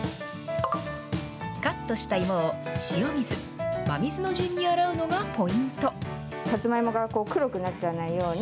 カットした芋を塩水、真水の順に洗うのがポイント。